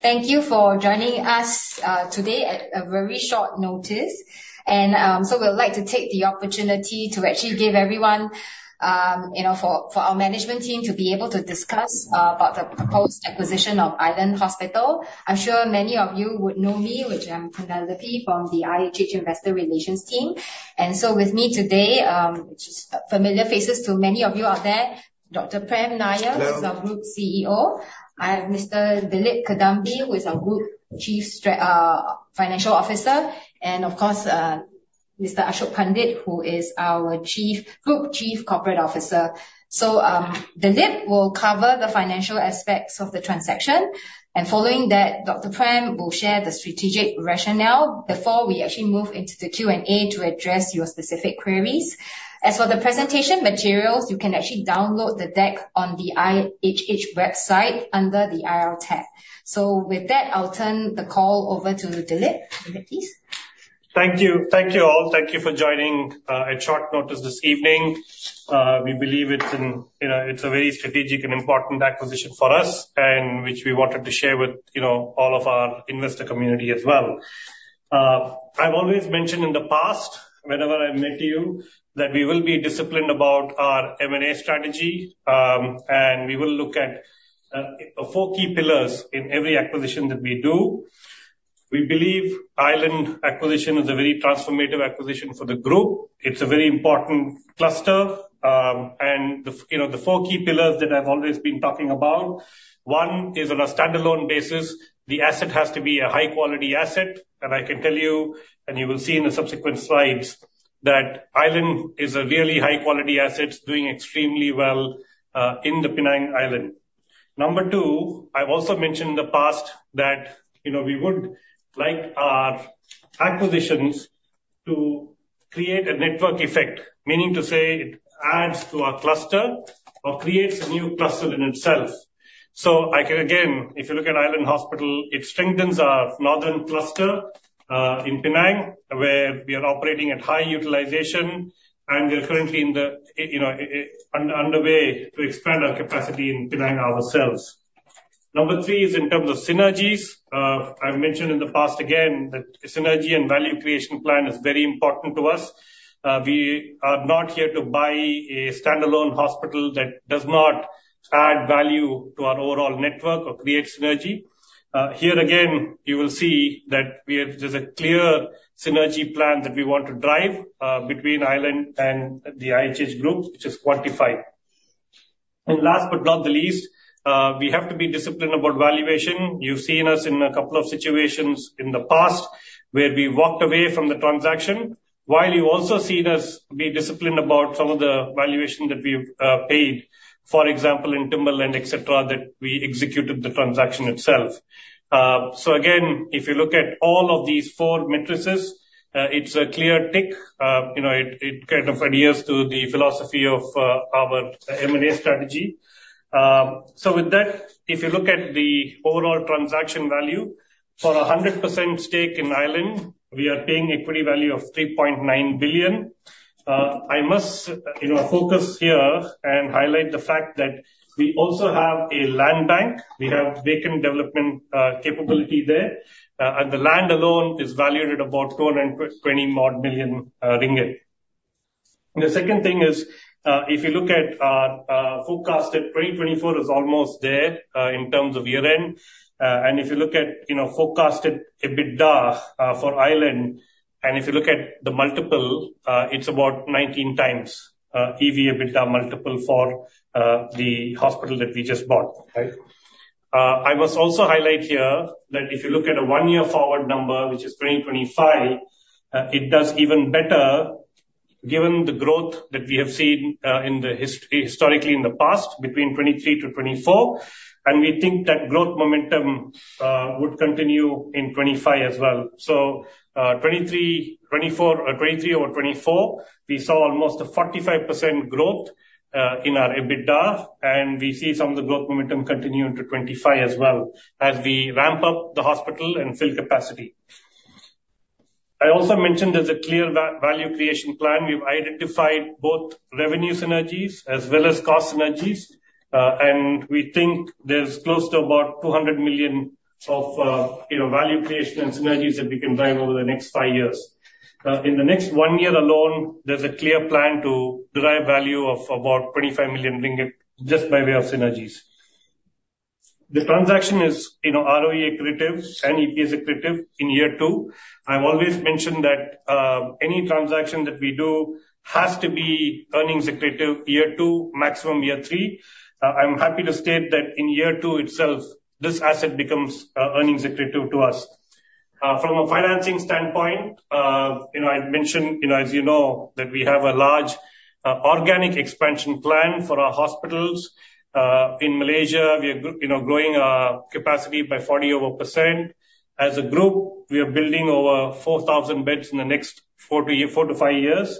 ...Thank you for joining us today at a very short notice, and so we'd like to take the opportunity to actually give everyone, you know, for our management team to be able to discuss about the proposed acquisition of Island Hospital. I'm sure many of you would know me. I'm Penelope from the IHH Investor Relations team. And so with me today, who are familiar faces to many of you out there, Dr. Prem Nair- Hello. who's our Group CEO. I have Mr. Dilip Kadambi, who is our Group Chief Financial Officer, and of course, Mr. Ashok Pandit, who is our Group Chief Corporate Officer. So, Dilip will cover the financial aspects of the transaction, and following that, Dr. Prem will share the strategic rationale before we actually move into the Q&A to address your specific queries. As for the presentation materials, you can actually download the deck on the IHH website under the IR tab. So with that, I'll turn the call over to Dilip. Dilip, please. Thank you. Thank you, all. Thank you for joining at short notice this evening. We believe it's an, you know, it's a very strategic and important acquisition for us, and which we wanted to share with, you know, all of our investor community as well. I've always mentioned in the past, whenever I met you, that we will be disciplined about our M&A strategy, and we will look at four key pillars in every acquisition that we do. We believe Island acquisition is a very transformative acquisition for the group. It's a very important cluster, and you know, the four key pillars that I've always been talking about: One is on a standalone basis. The asset has to be a high quality asset, and I can tell you, and you will see in the subsequent slides, that Island is a really high quality asset, doing extremely well, in the Penang Island. Number two, I've also mentioned in the past that, you know, we would like our acquisitions to create a network effect, meaning to say it adds to our cluster or creates a new cluster in itself. So I can, again, if you look at Island Hospital, it strengthens our northern cluster, in Penang, where we are operating at high utilization, and we are currently in the, you know, underway to expand our capacity in Penang ourselves. Number three is in terms of synergies. I've mentioned in the past, again, that synergy and value creation plan is very important to us. We are not here to buy a standalone hospital that does not add value to our overall network or create synergy. Here, again, you will see that we have; there's a clear synergy plan that we want to drive between Island and the IHH group, which is quantified. And last but not the least, we have to be disciplined about valuation. You've seen us in a couple of situations in the past where we walked away from the transaction, while you've also seen us be disciplined about some of the valuation that we've paid, for example, in Timberland, et cetera, that we executed the transaction itself. So again, if you look at all of these four metrics, it's a clear tick. You know, it kind of adheres to the philosophy of our M&A strategy. So with that, if you look at the overall transaction value, for a 100% stake in Island, we are paying equity value of 3.9 billion. I must, you know, focus here and highlight the fact that we also have a land bank. We have vacant development capability there. And the land alone is valued at about 220 million ringgit. The second thing is, if you look at our forecasted, 2024 is almost there, in terms of year-end. And if you look at, you know, forecasted EBITDA for Island, and if you look at the multiple, it's about 19 times EV/EBITDA multiple for the hospital that we just bought, right? I must also highlight here that if you look at a one-year forward number, which is 2025, it does even better given the growth that we have seen, historically in the past, between 2023 to 2024, and we think that growth momentum would continue in 2025 as well. So, 2023, 2024, 2023 over 2024, we saw almost a 45% growth in our EBITDA, and we see some of the growth momentum continue into 2025 as well as we ramp up the hospital and fill capacity. I also mentioned there's a clear value creation plan. We've identified both revenue synergies as well as cost synergies, and we think there's close to about 200 million of, you know, value creation and synergies that we can drive over the next five years. In the next one year alone, there's a clear plan to derive value of about 25 million ringgit just by way of synergies. The transaction is, you know, ROE accretive and EPS accretive in year two. I've always mentioned that, any transaction that we do has to be earnings accretive year two, maximum year three. I'm happy to state that in year two itself, this asset becomes, earnings accretive to us. From a financing standpoint, you know, I've mentioned, you know, as you know, that we have a large, organic expansion plan for our hospitals. In Malaysia, we are you know, growing our capacity by over 40%. As a group, we are building over 4,000 beds in the next four to five years.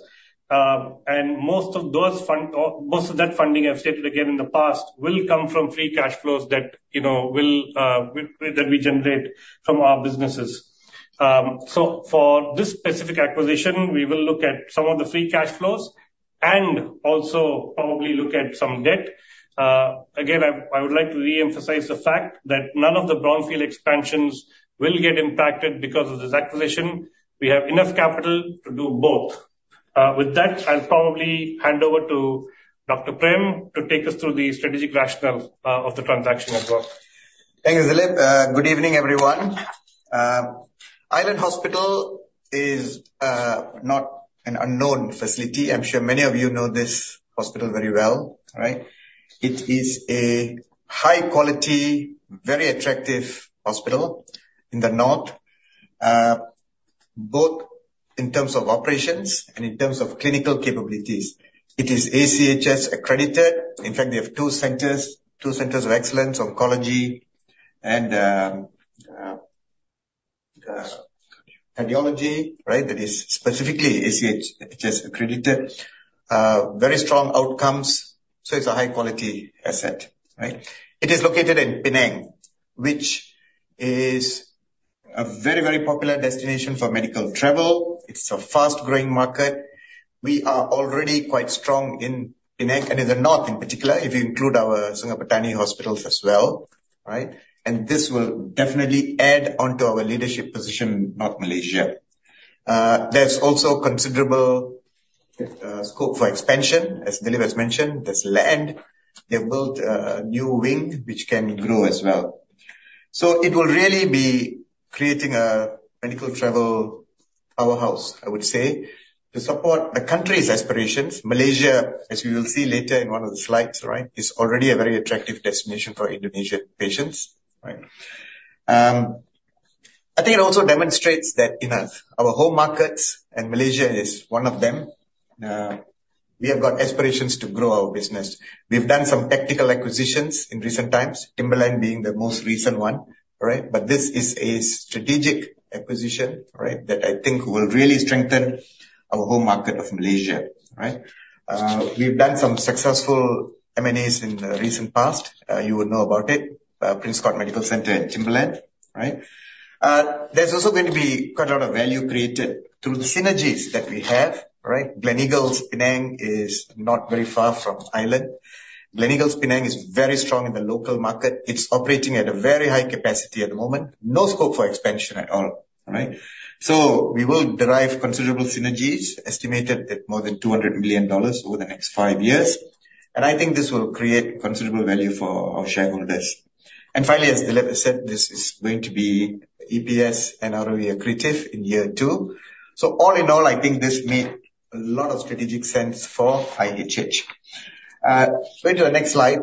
And most of that funding, I've stated again in the past, will come from free cash flows that, you know, will that we generate from our businesses. So for this specific acquisition, we will look at some of the free cash flows and also probably look at some debt. Again, I would like to reemphasize the fact that none of the brownfield expansions will get impacted because of this acquisition. We have enough capital to do both. With that, I'll probably hand over to Dr. Prem to take us through the strategic rationale of the transaction as well. Thank you, Dilip. Good evening, everyone. Island Hospital is not an unknown facility. I'm sure many of you know this hospital very well, right? It is a high quality, very attractive hospital in the north, both in terms of operations and in terms of clinical capabilities. It is ACHS accredited. In fact, they have two centers of excellence, oncology and cardiology, right? That is specifically ACHS accredited. Very strong outcomes, so it's a high quality asset, right? It is located in Penang, which is a very, very popular destination for medical travel. It's a fast-growing market. We are already quite strong in Penang and in the north, in particular, if you include our Sungai Petani hospitals as well, right? And this will definitely add on to our leadership position in North Malaysia. There's also considerable scope for expansion. As Dilip has mentioned, there's land. They've built a new wing, which can grow as well. So it will really be creating a medical travel powerhouse, I would say, to support the country's aspirations. Malaysia, as you will see later in one of the slides, right, is already a very attractive destination for Indonesian patients, right? I think it also demonstrates that in our home markets, and Malaysia is one of them, we have got aspirations to grow our business. We've done some tactical acquisitions in recent times, Timberland being the most recent one, right? But this is a strategic acquisition, right, that I think will really strengthen our home market of Malaysia, right? We've done some successful M&As in the recent past. You will know about it, Prince Court Medical Centre in Timberland, right? There's also going to be quite a lot of value created through the synergies that we have, right? Gleneagles Penang is not very far from Island. Gleneagles Penang is very strong in the local market. It's operating at a very high capacity at the moment. No scope for expansion at all, right? So we will derive considerable synergies, estimated at more than MYR 200 million over the next five years, and I think this will create considerable value for our shareholders. And finally, as Dilip said, this is going to be EPS and ROE accretive in year two. So all in all, I think this made a lot of strategic sense for IHH. Going to the next slide.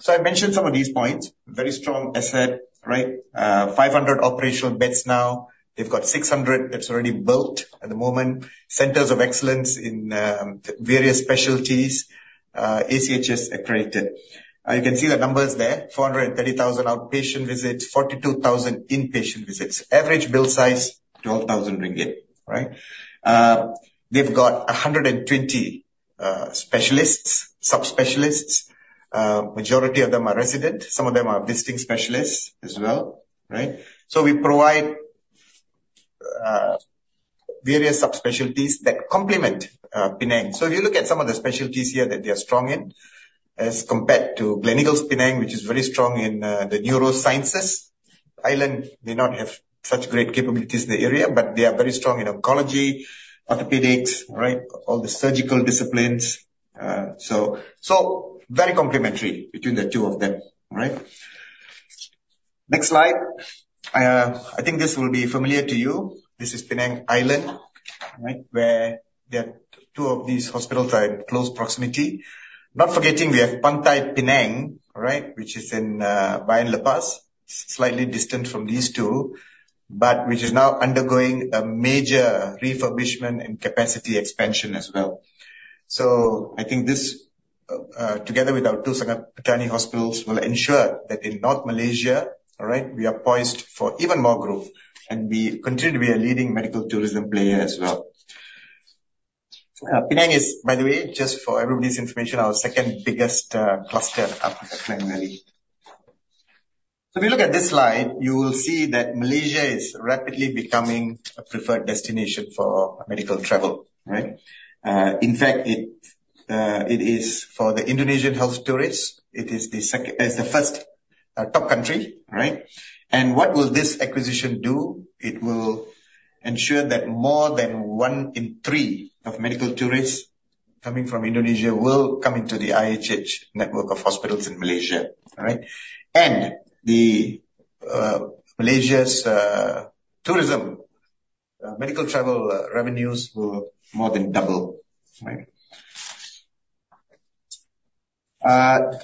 So I mentioned some of these points. Very strong asset, right? 500 operational beds now. They've got 600 that's already built at the moment. Centers of excellence in various specialties, ACHS accredited. You can see the numbers there, 430,000 outpatient visits, 42,000 inpatient visits. Average bill size, 12,000 ringgit, right? They've got 120 specialists, subspecialists. Majority of them are resident. Some of them are visiting specialists as well, right? So we provide various subspecialties that complement Penang. So if you look at some of the specialties here that they are strong in, as compared to Gleneagles, Penang, which is very strong in the neurosciences. Island may not have such great capabilities in the area, but they are very strong in oncology, orthopedics, right? All the surgical disciplines. So very complementary between the two of them, all right? Next slide. I think this will be familiar to you. This is Penang Island, right, where the two of these hospitals are in close proximity. Not forgetting, we have Pantai Penang, right, which is in, Bayan Lepas, slightly distant from these two, but which is now undergoing a major refurbishment and capacity expansion as well. So I think this, together with our two Sungai Petani hospitals, will ensure that in North Malaysia, all right, we are poised for even more growth, and we continue to be a leading medical tourism player as well. Penang is, by the way, just for everybody's information, our second biggest, cluster after Kuala Lumpur. So if you look at this slide, you will see that Malaysia is rapidly becoming a preferred destination for medical travel, right? In fact, it, it is for the Indonesian health tourists, it is the second-- it's the first, top country, right? And what will this acquisition do? It will ensure that more than one in three of medical tourists coming from Indonesia will come into the IHH network of hospitals in Malaysia, all right? And the, Malaysia's, tourism, medical travel, revenues will more than double, right?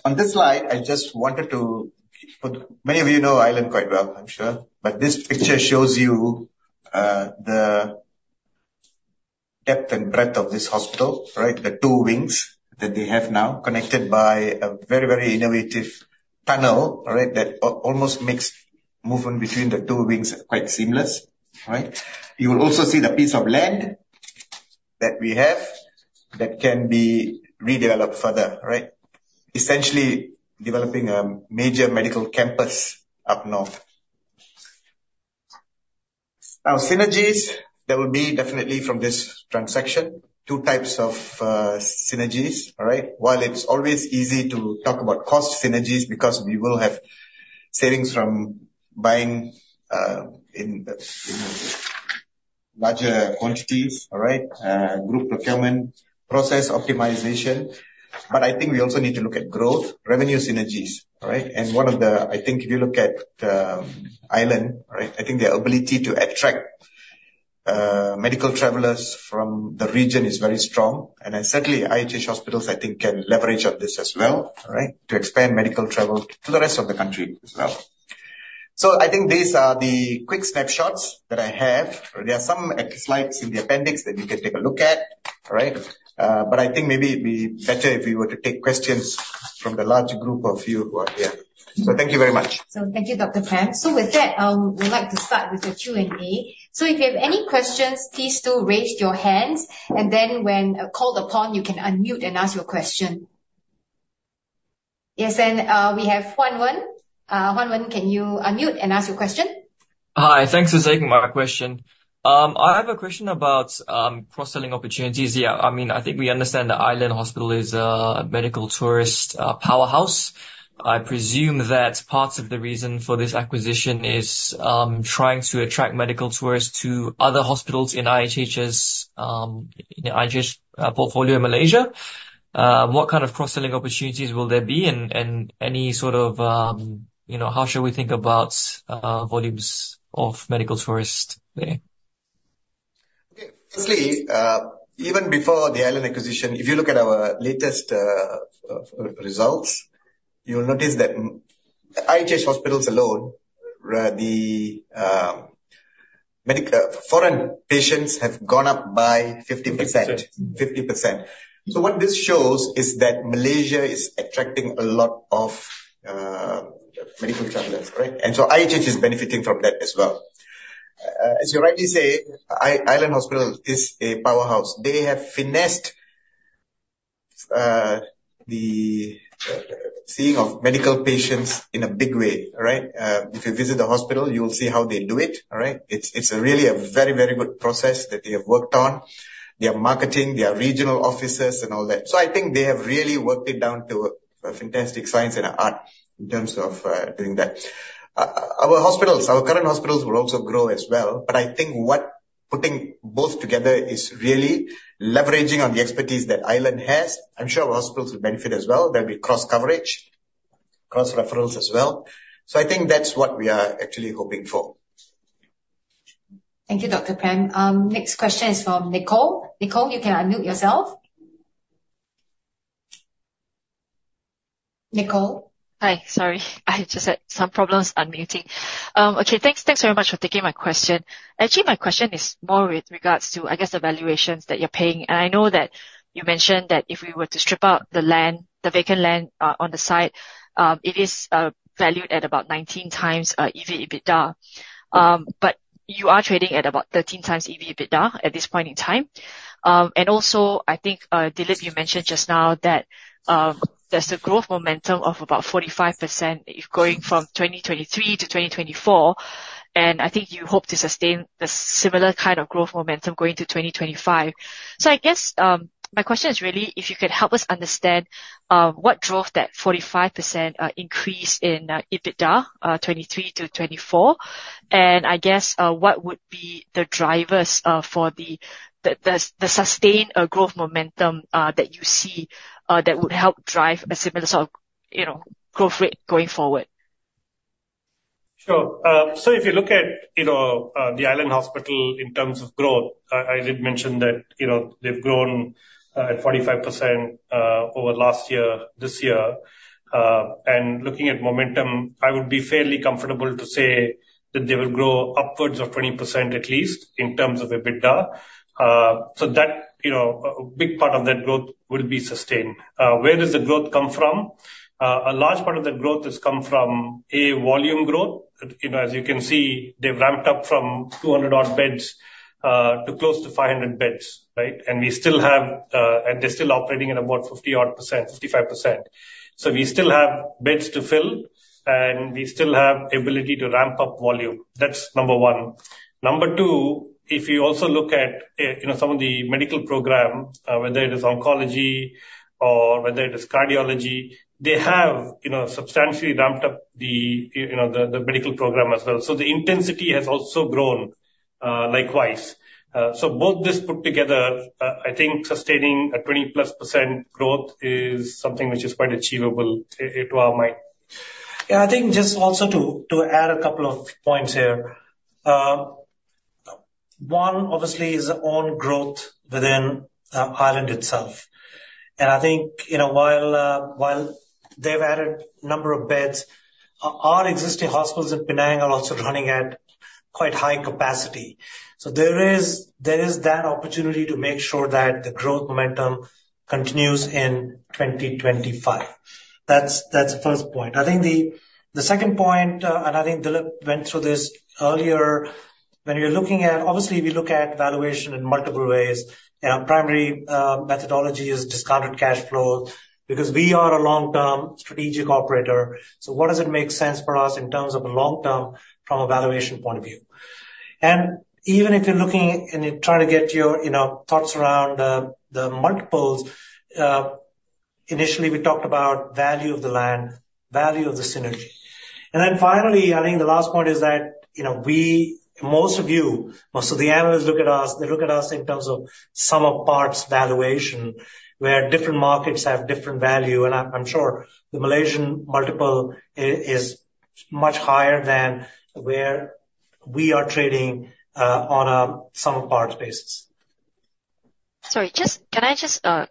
On this slide, I just wanted to put... Many of you know Island quite well, I'm sure. But this picture shows you, the depth and breadth of this hospital, right? The two wings that they have now, connected by a very, very innovative tunnel, right? That almost makes movement between the two wings quite seamless, right? You will also see the piece of land that we have that can be redeveloped further, right? Essentially, developing a major medical campus up north.... Now, synergies, there will be definitely from this transaction, two types of, synergies, all right? While it's always easy to talk about cost synergies, because we will have savings from buying in larger quantities, all right? Group procurement, process optimization, but I think we also need to look at growth, revenue synergies, all right. One of the, I think if you look at the island, right, I think their ability to attract medical travelers from the region is very strong. And then certainly, IHH hospitals, I think, can leverage off this as well, all right, to expand medical travel to the rest of the country as well. So I think these are the quick snapshots that I have. There are some extra slides in the appendix that you can take a look at, all right. But I think maybe it'd be better if we were to take questions from the large group of you who are here. So thank you very much. Thank you, Dr. Prem. With that, we'd like to start with the Q&A. If you have any questions, please do raise your hands, and then when called upon, you can unmute and ask your question. Yes, and we have Huan Wen. Huan Wen, can you unmute and ask your question? Hi. Thanks for taking my question. I have a question about cross-selling opportunities. Yeah, I mean, I think we understand that Island Hospital is a medical tourist powerhouse. I presume that part of the reason for this acquisition is trying to attract medical tourists to other hospitals in IHH's portfolio in Malaysia. What kind of cross-selling opportunities will there be, and any sort of, you know, how should we think about volumes of medical tourists there? Okay. Firstly, even before the Island acquisition, if you look at our latest results, you'll notice that the IHH hospitals alone, where the medical foreign patients have gone up by 50%. Fifty percent. 50%. So what this shows is that Malaysia is attracting a lot of medical travelers, right? And so IHH is benefiting from that as well. As you rightly say, Island Hospital is a powerhouse. They have finessed the seeing of medical patients in a big way, all right? If you visit the hospital, you'll see how they do it, all right? It's really a very good process that they have worked on. They have marketing, they have regional offices and all that. So I think they have really worked it down to a fantastic science and an art in terms of doing that. Our hospitals, our current hospitals will also grow as well, but I think what putting both together is really leveraging on the expertise that Island has. I'm sure our hospitals will benefit as well. There'll be cross coverage, cross referrals as well. So I think that's what we are actually hoping for. Thank you, Dr. Prem. Next question is from Nicole. Nicole, you can unmute yourself. Nicole? Hi. Sorry, I just had some problems unmuting. Okay, thanks, thanks very much for taking my question. Actually, my question is more with regards to, I guess, the valuations that you're paying. And I know that you mentioned that if we were to strip out the land, the vacant land, on the site, it is valued at about nineteen times EBITDA. But you are trading at about thirteen times EBITDA at this point in time. And also, I think, Dilip, you mentioned just now that, there's a growth momentum of about 45%, going from 2023 to 2024, and I think you hope to sustain the similar kind of growth momentum going to 2025. So I guess my question is really if you could help us understand what drove that 45% increase in EBITDA, 2023 to 2024? And I guess what would be the drivers for the sustained growth momentum that you see that would help drive a similar sort of, you know, growth rate going forward? Sure. So if you look at, you know, the Island Hospital in terms of growth, I did mention that, you know, they've grown at 45% over last year, this year. And looking at momentum, I would be fairly comfortable to say that they will grow upwards of 20%, at least, in terms of EBITDA. So that, you know, a big part of that growth will be sustained. Where does the growth come from? A large part of that growth has come from, A, volume growth. You know, as you can see, they've ramped up from 200-odd beds to close to 500 beds, right? And we still have... And they're still operating at about 50-odd%, 55%. So we still have beds to fill, and we still have ability to ramp up volume. That's number one. Number two, if you also look at, you know, some of the medical program, whether it is oncology or whether it is cardiology, they have, you know, substantially ramped up the medical program as well. So the intensity has also grown, likewise. So both this put together, I think sustaining a 20+% growth is something which is quite achievable, to our mind. Yeah, I think just also to add a couple of points here. One, obviously, is our own growth within Island itself. And I think, you know, while they've added number of beds, our existing hospitals in Penang are also running at quite high capacity. So there is that opportunity to make sure that the growth momentum continues in 2025. That's the first point. I think the second point, and I think Dilip went through this earlier, when you're looking at. Obviously, we look at valuation in multiple ways, and our primary methodology is discounted cash flow, because we are a long-term strategic operator. So what does it make sense for us in terms of the long term from a valuation point of view?... And even if you're looking and you're trying to get your, you know, thoughts around the multiples, initially we talked about value of the land, value of the synergy. And then finally, I think the last point is that, you know, we, most of you, most of the analysts look at us. They look at us in terms of Sum of Parts valuation, where different markets have different value. And I'm, I'm sure the Malaysian multiple is much higher than where we are trading on a Sum of Parts basis. Sorry, just a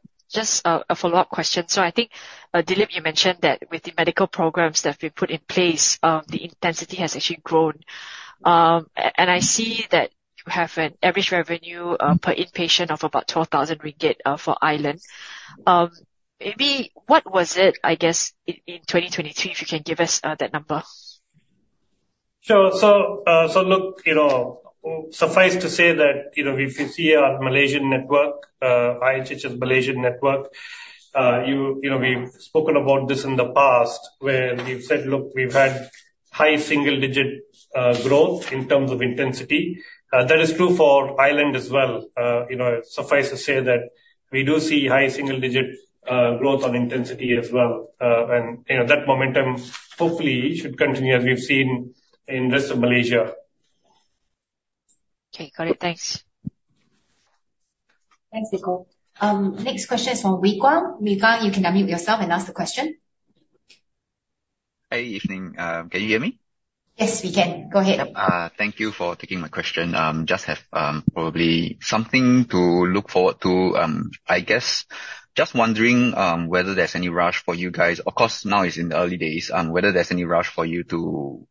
follow-up question. So I think, Dilip, you mentioned that with the medical programs that have been put in place, the intensity has actually grown. And I see that you have an average revenue per inpatient of about 12,000 ringgit for Island. Maybe what was it, I guess, in 2023, if you can give us that number? Sure. So look, you know, suffice to say that, you know, if you see our Malaysian network, IHH's Malaysian network, you know, we've spoken about this in the past, where we've said, "Look, we've had high single digit growth in terms of intensity." That is true for Island as well. You know, suffice to say that we do see high single digit growth on intensity as well. And, you know, that momentum hopefully should continue, as we've seen in the rest of Malaysia. Okay, got it. Thanks. Thanks, Nicole. Next question is from Wee Kuang. Wee Kuang, you can unmute yourself and ask the question. Hey, evening. Can you hear me? Yes, we can. Go ahead. Thank you for taking my question. Just have, probably something to look forward to. I guess, just wondering, whether there's any rush for you guys. Of course, now it's in the early days, whether there's any rush for you to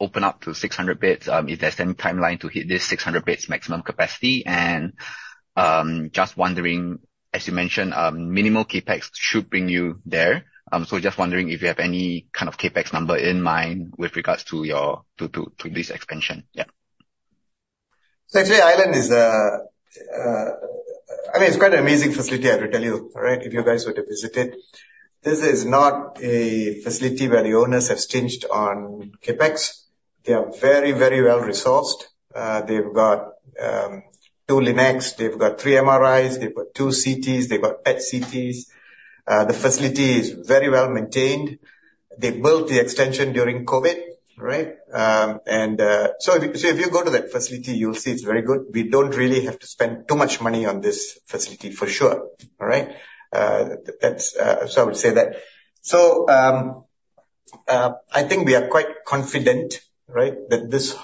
open up to 600 beds, if there's any timeline to hit this 600 beds maximum capacity? And, just wondering, as you mentioned, minimal CapEx should bring you there. So just wondering if you have any kind of CapEx number in mind with regards to your, to this expansion. Yeah. So actually, Island is a I mean, it's quite an amazing facility, I have to tell you, right? If you guys were to visit it. This is not a facility where the owners have stinted on CapEx. They are very, very well-resourced. They've got two LINACs, they've got three MRIs, they've got two CTs, they've got PET-CTs. The facility is very well-maintained. They built the extension during COVID, right? And so if you go to that facility, you'll see it's very good. We don't really have to spend too much money on this facility for sure, all right? That's so I would say that. So I think we are quite confident, right, that this.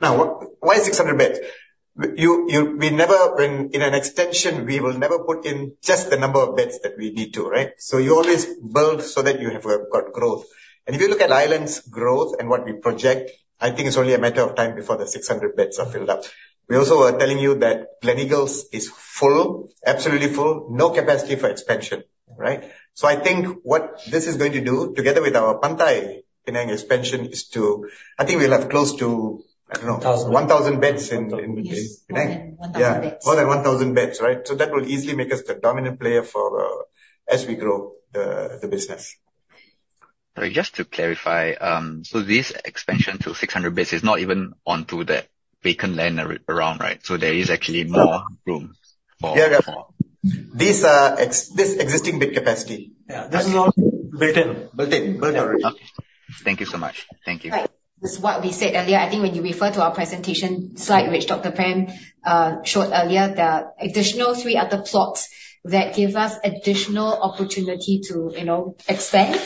Now why 600 beds? You, we never, in an extension, we will never put in just the number of beds that we need to, right? So you always build so that you have got growth. And if you look at Island's growth and what we project, I think it's only a matter of time before the 600 beds are filled up. We also are telling you that Gleneagles is full, absolutely full. No capacity for expansion, right? So I think what this is going to do, together with our Pantai Penang expansion, is to... I think we'll have close to, I don't know- A thousand. one thousand beds in Penang. Yes. More than one thousand beds. Yeah, more than 1,000 beds, right? So that will easily make us the dominant player for, as we grow the business. Just to clarify, so this expansion to 600 beds is not even onto the vacant land around, right? So there is actually more room for- Yeah. This existing bed capacity. Yeah, this is all built in. Built in. Built in, right. Thank you so much. Thank you. Right. This is what we said earlier. I think when you refer to our presentation slide, which Dr. Prem showed earlier, there are additional three other plots that give us additional opportunity to, you know, expand,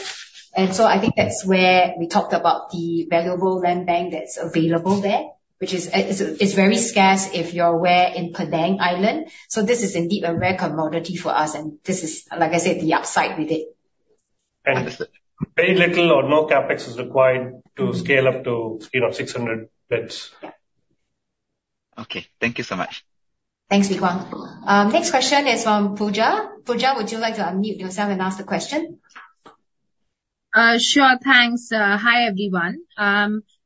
and so I think that's where we talked about the valuable land bank that's available there, which is very scarce, if you're aware, in Penang Island. So this is indeed a rare commodity for us, and this is, like I said, the upside with it. Very little or no CapEx is required to scale up to speed of 600 beds. Yeah. Okay, thank you so much. Thanks, Wee Kuang. Next question is from Puja. Puja, would you like to unmute yourself and ask the question? Sure. Thanks. Hi, everyone.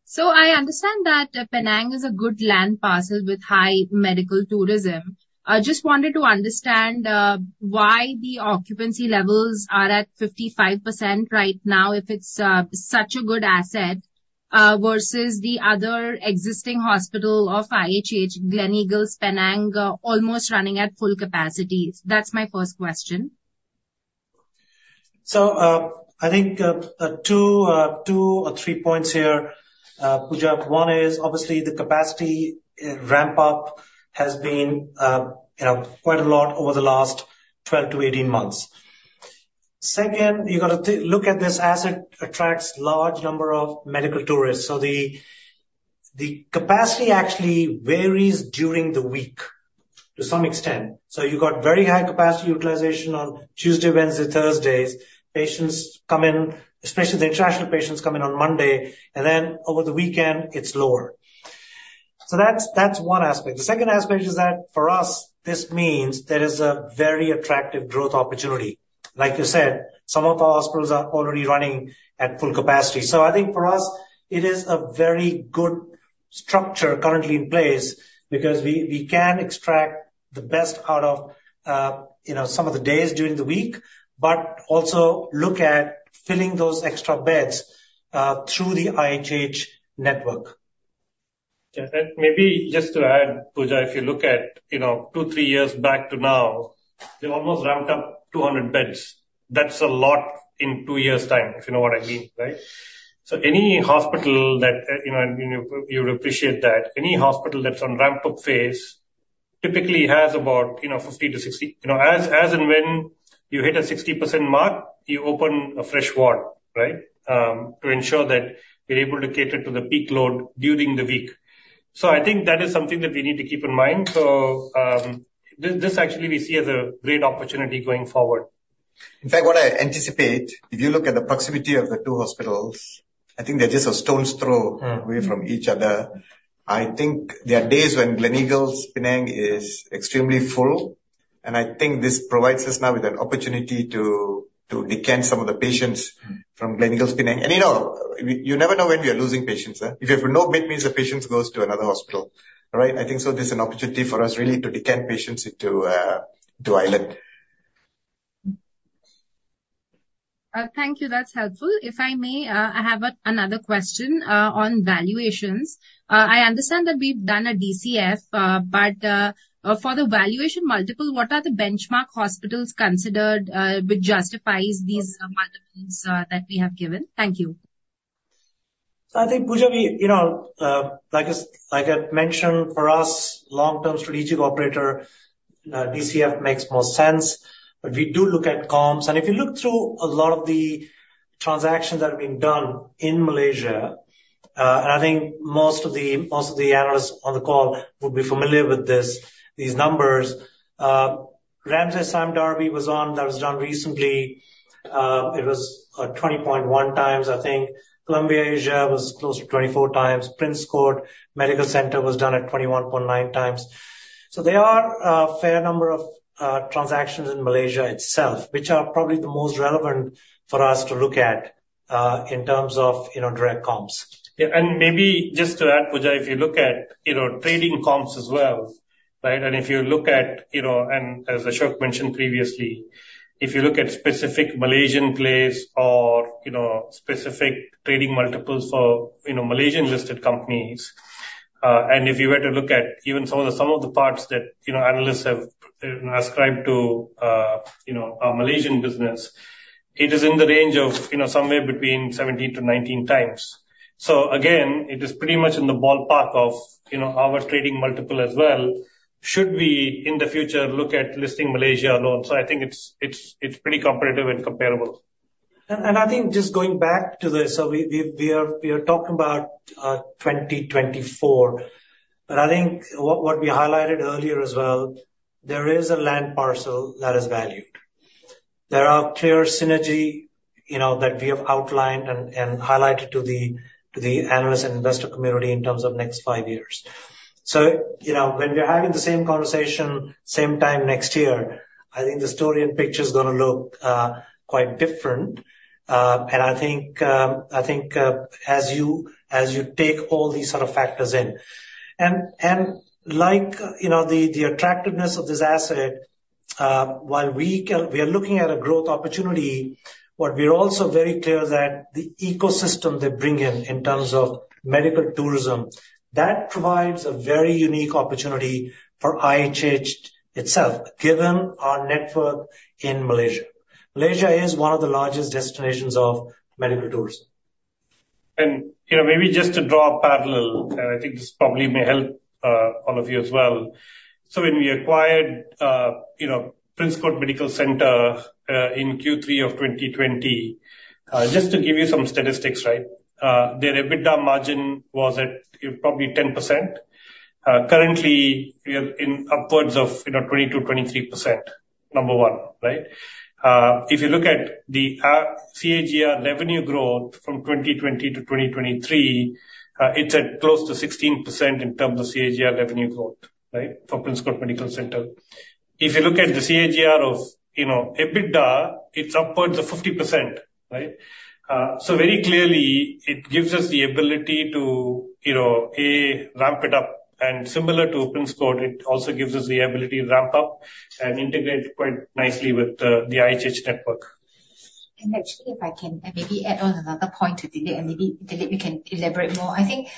So I understand that Penang is a good land parcel with high medical tourism. I just wanted to understand why the occupancy levels are at 55% right now, if it's such a good asset versus the other existing hospital of IHH, Gleneagles Penang, almost running at full capacity. That's my first question. I think two or three points here, Puja. One is obviously the capacity ramp up has been, you know, quite a lot over the last 12 to 18 months. Second, you've got to look at this asset attracts large number of medical tourists. So the capacity actually varies during the week to some extent. So you've got very high capacity utilization on Tuesday, Wednesday, Thursdays. Patients come in, especially the international patients, come in on Monday, and then over the weekend, it's lower. So that's one aspect. The second aspect is that for us, this means there is a very attractive growth opportunity. Like you said, some of our hospitals are already running at full capacity. So I think for us, it is a very good structure currently in place because we can extract the best out of, you know, some of the days during the week, but also look at-... filling those extra beds through the IHH network. Yeah, and maybe just to add, Puja, if you look at, you know, two, three years back to now, we've almost ramped up 200 beds. That's a lot in two years' time, if you know what I mean, right? So any hospital that, you know, and you, you'd appreciate that, any hospital that's on ramp-up phase typically has about, you know, 50-60. You know, and when you hit a 60% mark, you open a fresh ward, right? To ensure that we're able to cater to the peak load during the week. So I think that is something that we need to keep in mind. So, this actually we see as a great opportunity going forward. In fact, what I anticipate, if you look at the proximity of the two hospitals, I think they're just a stone's throw- Mm. away from each other. I think there are days when Gleneagles, Penang, is extremely full, and I think this provides us now with an opportunity to decant some of the patients- Mm. from Gleneagles, Penang. And, you know, you never know when we are losing patients, if you have no bed means the patients goes to another hospital, right? I think so this is an opportunity for us really to decant patients into, to Island. Thank you. That's helpful. If I may, I have another question on valuations. I understand that we've done a DCF, but for the valuation multiple, what are the benchmark hospitals considered, which justifies these multiples that we have given? Thank you. So I think, Puja, we, you know, like I've mentioned, for us, long-term strategic operator, DCF makes more sense. But we do look at comps. And if you look through a lot of the transactions that are being done in Malaysia, and I think most of the analysts on the call would be familiar with this, these numbers. Ramsay Sime Darby was one that was done recently. It was 20.1 times, I think. Columbia Asia was close to 24 times. Prince Court Medical Center was done at 21.9 times. So there are a fair number of transactions in Malaysia itself, which are probably the most relevant for us to look at, in terms of, you know, direct comps. Yeah, and maybe just to add, Puja, if you look at, you know, trading comps as well, right? And if you look at, you know, and as Ashok mentioned previously, if you look at specific Malaysian plays or, you know, specific trading multiples for, you know, Malaysian-listed companies, and if you were to look at even some of the parts that, you know, analysts have ascribed to, you know, our Malaysian business, it is in the range of, you know, somewhere between 17 to 19 times. So again, it is pretty much in the ballpark of, you know, our trading multiple as well, should we, in the future, look at listing Malaysia alone. So I think it's pretty competitive and comparable. And I think just going back to this, so we are talking about 2024. But I think what we highlighted earlier as well, there is a land parcel that is valued. There are clear synergy, you know, that we have outlined and highlighted to the analysts and investor community in terms of next five years. So, you know, when we are having the same conversation same time next year, I think the story and picture is gonna look quite different. And I think, as you take all these sort of factors in. And like, you know, the attractiveness of this asset, while we can... We are looking at a growth opportunity. What we are also very clear that the ecosystem they bring in, in terms of medical tourism, that provides a very unique opportunity for IHH itself, given our network in Malaysia. Malaysia is one of the largest destinations of medical tourism. You know, maybe just to draw a parallel, I think this probably may help all of you as well. When we acquired you know Prince Court Medical Centre in Q3 of 2020 just to give you some statistics right their EBITDA margin was at probably 10%. Currently, we are in upwards of you know 20%-23% number one right? If you look at the CAGR revenue growth from 2020 to 2023 it's at close to 16% in terms of CAGR revenue growth right for Prince Court Medical Centre. If you look at the CAGR of you know EBITDA it's upwards of 50% right? Very clearly it gives us the ability to you know A ramp it up. And similar to Prince Court, it also gives us the ability to ramp up and integrate quite nicely with the IHH network. Actually, if I can maybe add on another point to Dilip, and maybe, Dilip, you can elaborate more. I think,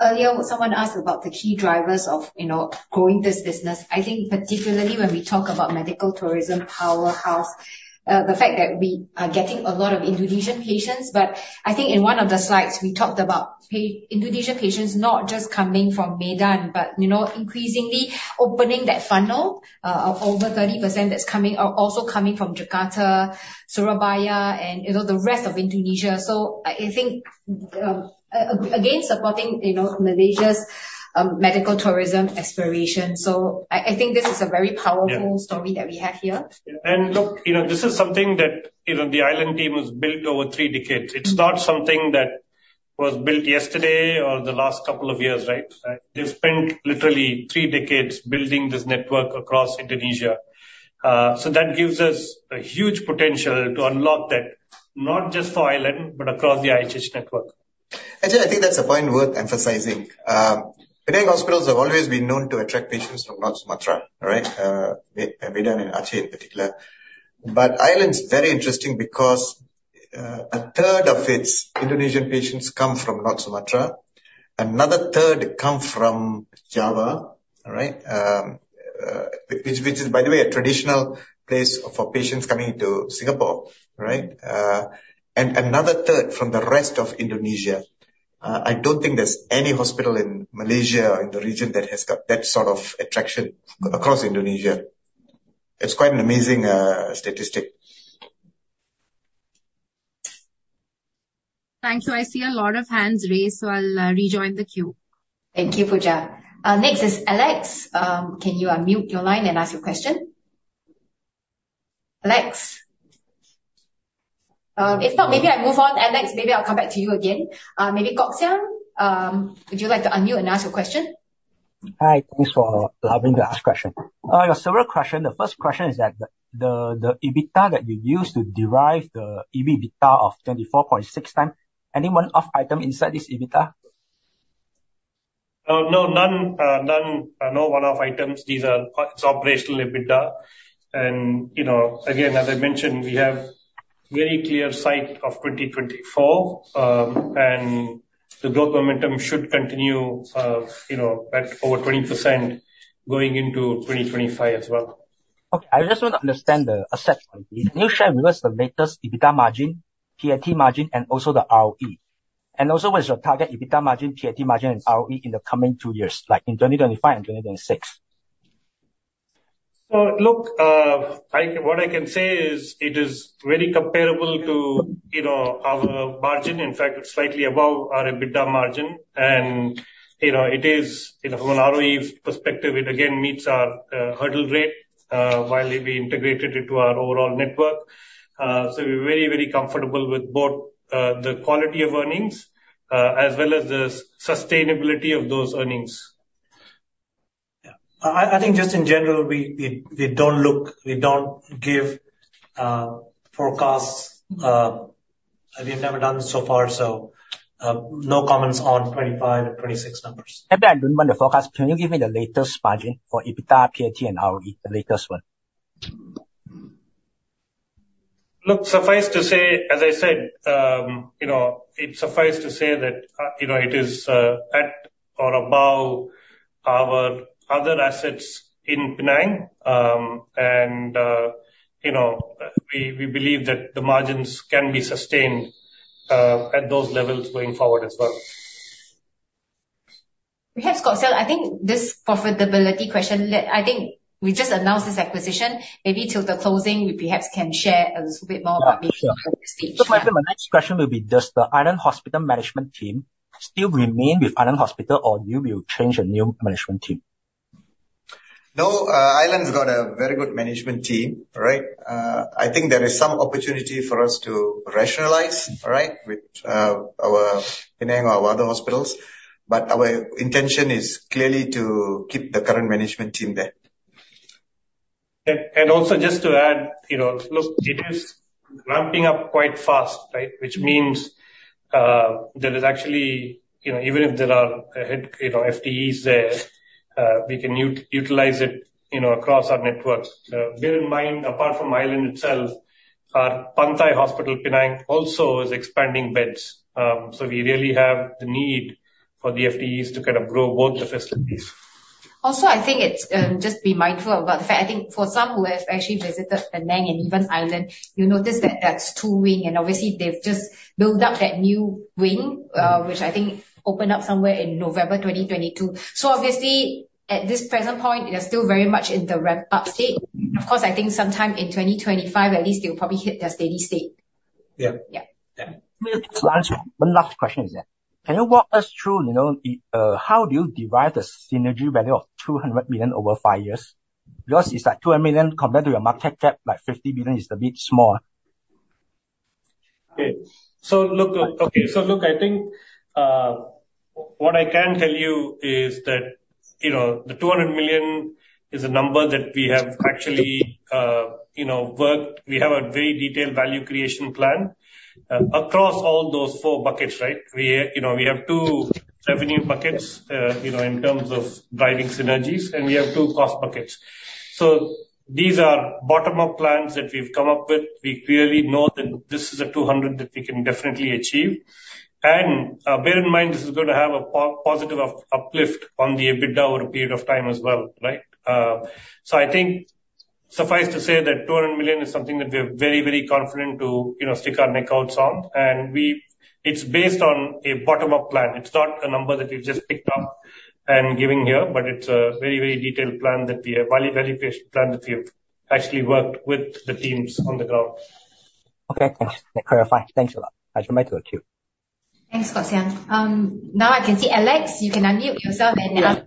earlier, someone asked about the key drivers of, you know, growing this business. I think particularly when we talk about medical tourism powerhouse, the fact that we are getting a lot of Indonesian patients, but I think in one of the slides, we talked about Indonesian patients not just coming from Medan, but you know, increasingly opening that funnel, of over 30% that's coming, also coming from Jakarta, Surabaya, and, you know, the rest of Indonesia. So I think, again, supporting, you know, Malaysia's medical tourism aspiration. So I think this is a very powerful- Yeah. story that we have here. Yeah. And look, you know, this is something that, you know, the Island team has built over three decades. Mm-hmm. It's not something that was built yesterday or the last couple of years, right? They've spent literally three decades building this network across Indonesia. So that gives us a huge potential to unlock that, not just for Island, but across the IHH network.... Actually, I think that's a point worth emphasizing. Penang hospitals have always been known to attract patients from North Sumatra, right? Medan and Aceh, in particular. But Island's very interesting because a third of its Indonesian patients come from North Sumatra, another third come from Java, all right? Which is, by the way, a traditional place for patients coming into Singapore, right? And another third from the rest of Indonesia. I don't think there's any hospital in Malaysia or in the region that has got that sort of attraction across Indonesia. It's quite an amazing statistic. Thank you. I see a lot of hands raised, so I'll rejoin the queue. Thank you, Puja. Next is Alex. Can you mute your line and ask your question? Alex? If not, maybe I move on, Alex. Maybe I'll come back to you again. Maybe Kok Xiang, would you like to unmute and ask your question? Hi. Thanks for allowing me to ask question. There are several question. The first question is that the EBITDA that you used to derive the EBITDA of thirty-four point six times, any one-off item inside this EBITDA? No, none. No one-off items. These are operational EBITDA. You know, again, as I mentioned, we have very clear sight of 2024, and the growth momentum should continue, you know, at over 20% going into 2025 as well. Okay. I just want to understand the asset. Can you share with us the latest EBITDA margin, PAT margin, and also the ROE? And also, what is your target EBITDA margin, PAT margin, and ROE in the coming two years, like, in 2025 and 2026? So look, what I can say is, it is very comparable to, you know, our margin. In fact, it's slightly above our EBITDA margin. And, you know, it is, you know, from an ROE perspective, it again meets our hurdle rate while we integrated into our overall network. So we're very, very comfortable with both the quality of earnings as well as the sustainability of those earnings. Yeah. I think just in general, we don't give forecasts, and we've never done so far, so no comments on 2025 and 2026 numbers. Maybe I don't want the forecast. Can you give me the latest margin for EBITDA, PAT, and ROE, the latest one? Look, suffice to say, as I said, you know, it is at or above our other assets in Penang, and you know, we believe that the margins can be sustained at those levels going forward as well. We have Scott Sell. I think this profitability question. I think we just announced this acquisition. Maybe till the closing, we perhaps can share a little bit more- Yeah, sure. about this stage. So my next question will be, does the Island Hospital management team still remain with Island Hospital, or you will change a new management team? No, Island's got a very good management team, right? I think there is some opportunity for us to rationalize, right, with our Penang or our other hospitals. But our intention is clearly to keep the current management team there. Also just to add, you know, look, it is ramping up quite fast, right? Which means, there is actually, you know, even if there are ahead, you know, FTEs there, we can utilize it, you know, across our networks. Bear in mind, apart from Island itself, our Pantai Hospital Penang also is expanding beds. So we really have the need for the FTEs to kind of grow both the facilities. Also, I think it's just be mindful about the fact, I think for some who have actually visited Penang and even Island, you'll notice that that's two wing, and obviously, they've just built up that new wing, which I think opened up somewhere in November 2022. So obviously, at this present point, they are still very much in the ramp-up state. Of course, I think sometime in twenty twenty-five at least, they'll probably hit their steady state. Yeah. Yeah. Yeah. One last question is that, can you walk us through, you know, the, how do you derive the synergy value of 200 million over five years? Because it's, like, 200 million compared to your market cap, like, 50 billion is a bit small. Okay. So look, I think, what I can tell you is that, you know, the 200 million is a number that we have actually, you know, worked. We have a very detailed value creation plan, across all those four buckets, right? We, you know, we have two revenue buckets, you know, in terms of driving synergies, and we have two cost buckets. So these are bottom-up plans that we've come up with. We clearly know that this is a 200 million that we can definitely achieve. And, bear in mind, this is going to have a positive uplift on the EBITDA over a period of time as well, right? So I think suffice to say that 200 million is something that we're very, very confident to, you know, stick our neck out on, and it's based on a bottom-up plan. It's not a number that we've just picked up and giving here, but it's a very, very detailed plan that we have, value creation plan that we have actually worked with the teams on the ground. Okay. Thanks. That clarified. Thanks a lot. I return back to the queue. Thanks, Kok Siang. Now I can see Alex, you can unmute yourself and,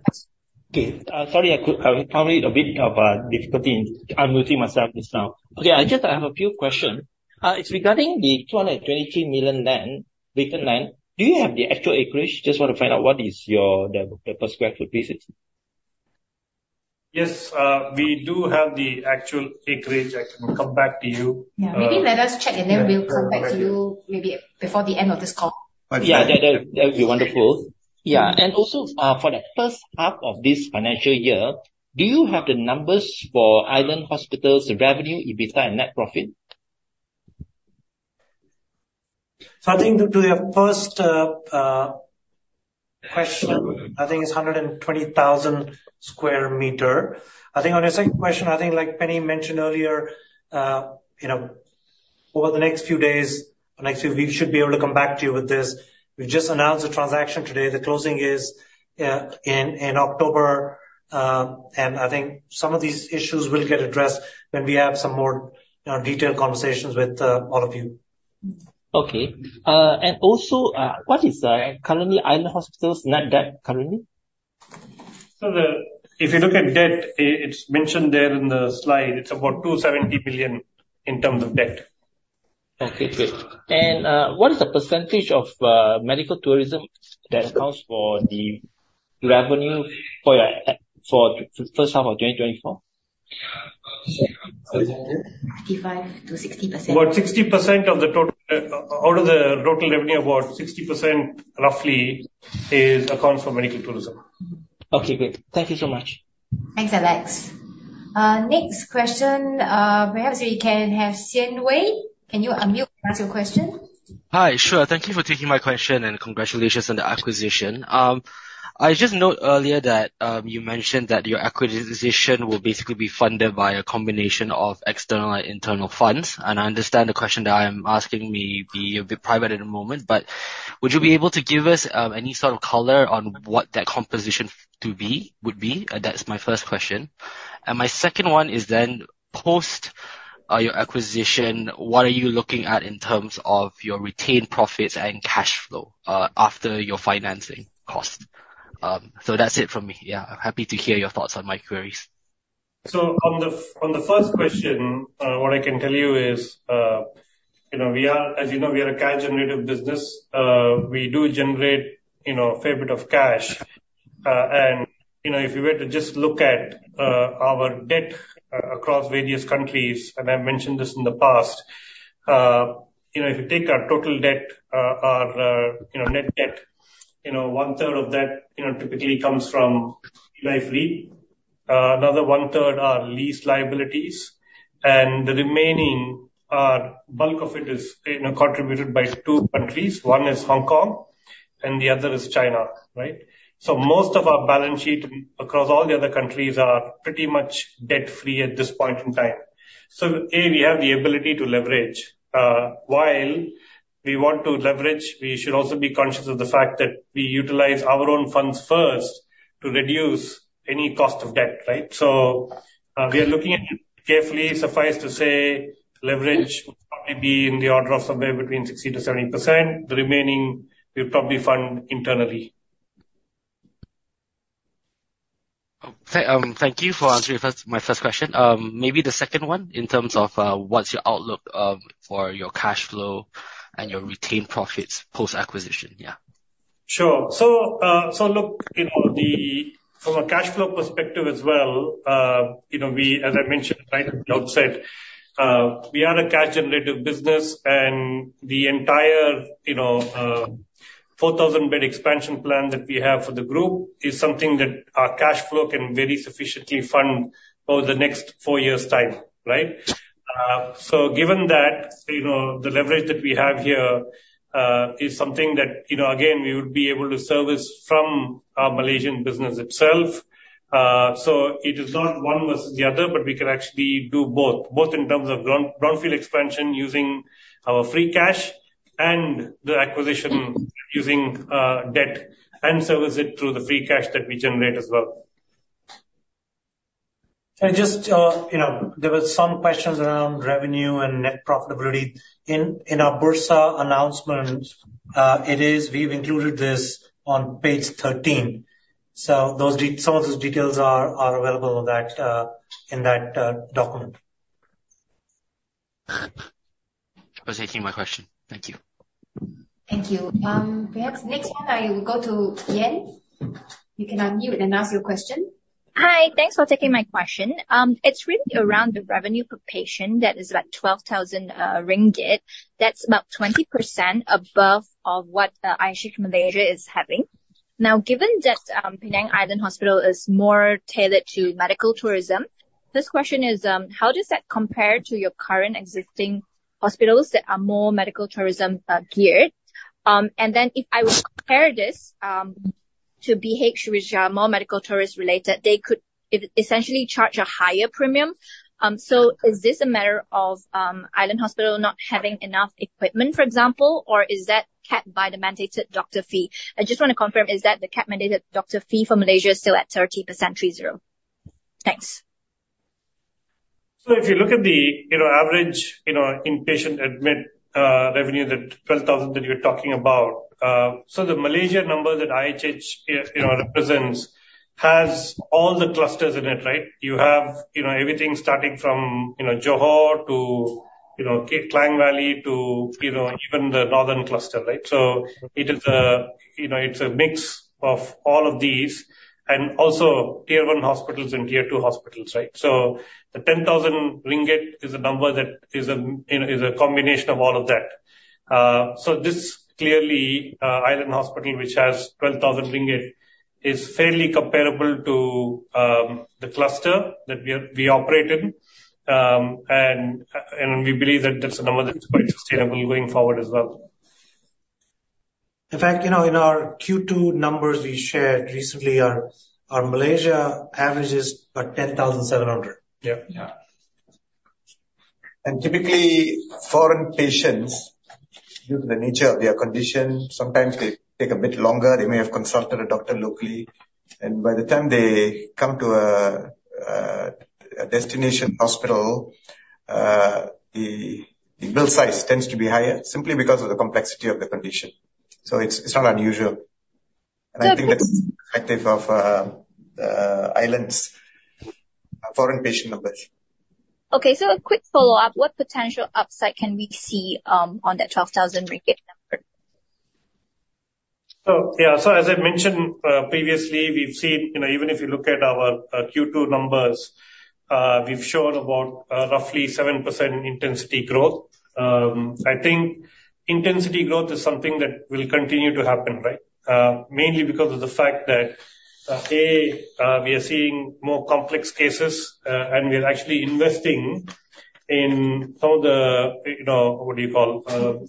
Okay. Sorry, I could, I'm having a bit of difficulty in unmuting myself just now. Okay, I just have a few questions. It's regarding the 223 million land, vacant land. Do you have the actual acreage? Just want to find out what is your, the per sq ft? Is it?... Yes, we do have the actual acreage. I can come back to you, Yeah, maybe let us check, and then we'll come back to you maybe before the end of this call. Okay. Yeah, that would be wonderful. Yeah. And also, for the first half of this financial year, do you have the numbers for Island Hospital's revenue, EBITDA, and net profit? So I think to your first question, I think it's 120,000 square meters. I think on your second question, I think like Penny mentioned earlier, you know, over the next few days, the next few weeks, should be able to come back to you with this. We've just announced the transaction today. The closing is in October. And I think some of these issues will get addressed when we have some more, you know, detailed conversations with all of you. Okay, and also, what is currently Island Hospital's net debt? If you look at debt, it's mentioned there in the slide. It's about 270 billion in terms of debt. Okay, great. And, what is the percentage of medical tourism that accounts for the revenue for your, for first half of twenty twenty-four? Yeah, uh, 55%-60%. About 60% of the total, out of the total revenue, about 60% roughly is account for medical tourism. Okay, great. Thank you so much.ko Thanks, Alex. Next question, perhaps we can have Xian Wei. Can you unmute and ask your question? Hi, sure. Thank you for taking my question, and congratulations on the acquisition. I just note earlier that you mentioned that your acquisition will basically be funded by a combination of external and internal funds, and I understand the question that I'm asking may be a bit private at the moment, but would you be able to give us any sort of color on what that composition to be, would be? That's my first question. And my second one is then, post your acquisition, what are you looking at in terms of your retained profits and cash flow after your financing cost? So that's it from me. Yeah, I'm happy to hear your thoughts on my queries. So on the first question, what I can tell you is, you know, we are, as you know, we are a cash-generative business. We do generate, you know, a fair bit of cash, and, you know, if you were to just look at, our debt across various countries, and I've mentioned this in the past, you know, if you take our total debt, our, you know, net debt, you know, one third of that, you know, typically comes from Life REIT. Another one third are lease liabilities, and the remaining, bulk of it is, you know, contributed by two countries. One is Hong Kong and the other is China, right? So most of our balance sheet across all the other countries are pretty much debt-free at this point in time. A, we have the ability to leverage, while we want to leverage, we should also be conscious of the fact that we utilize our own funds first to reduce any cost of debt, right? We are looking at it carefully. Suffice to say, leverage will probably be in the order of somewhere between 60-70%. The remaining, we'll probably fund internally. Oh, thank you for answering first, my first question. Maybe the second one, in terms of, what's your outlook for your cash flow and your retained profits post-acquisition? Yeah. Sure. So look, you know, from a cash flow perspective as well, you know, we, as I mentioned right at the outset, we are a cash-generative business, and the entire, you know, 4,000 bed expansion plan that we have for the group is something that our cash flow can very sufficiently fund over the next four years' time, right? So given that, you know, the leverage that we have here is something that, you know, again, we would be able to service from our Malaysian business itself. So it is not one versus the other, but we can actually do both, both in terms of brownfield expansion, using our free cash and the acquisition using debt, and service it through the free cash that we generate as well. Can I just... You know, there were some questions around revenue and net profitability. In our Bursa announcement, we've included this on page thirteen, so those details are available on that in that document. Thanks for taking my question. Thank you. Thank you. Perhaps next one, I will go to Yen. You can unmute and ask your question. Hi, thanks for taking my question. It's really around the revenue per patient that is about 12,000 ringgit. That's about 20% above of what IHH Malaysia is having. Now, given that, Island Hospital is more tailored to medical tourism, this question is, how does that compare to your current existing hospitals that are more medical tourism geared? And then if I were to compare this to IHH, which are more medical tourist related, they could essentially charge a higher premium. So is this a matter of, Island Hospital not having enough equipment, for example, or is that capped by the mandated doctor fee? I just wanna confirm, is that the capped-mandated doctor fee for Malaysia still at 30%, three zero? Thanks. So if you look at the, you know, average, you know, inpatient admit revenue, the 12,000 that you're talking about, so the Malaysia numbers that IHH you know represents has all the clusters in it, right? You have, you know, everything starting from, you know, Johor to Klang Valley to, you know, even the northern cluster, right? So it is a, you know, it's a mix of all of these, and also tier one hospitals and tier two hospitals, right? So the 10,000 ringgit is a number that is a, you know, is a combination of all of that. So this clearly, Island Hospital, which has 12,000 ringgit, is fairly comparable to the cluster that we operate in. And we believe that that's a number that's quite sustainable going forward as well. In fact, you know, in our Q2 numbers, we shared recently our Malaysia average is about 10,700. Yeah. Yeah. And typically, foreign patients, due to the nature of their condition, sometimes they take a bit longer. They may have consulted a doctor locally, and by the time they come to a destination hospital, the bill size tends to be higher simply because of the complexity of the condition. So it's not unusual. And I think that's reflective of Island's foreign patient numbers. Okay, so a quick follow-up. What potential upside can we see on that 12,000 ringgit number? So yeah, so as I mentioned previously, we've seen, you know, even if you look at our Q2 numbers, we've shown about roughly 7% intensity growth. I think intensity growth is something that will continue to happen, right? Mainly because of the fact that we are seeing more complex cases, and we are actually investing in some of the, you know, what do you call?